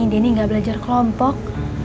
dini gak belajar kelompok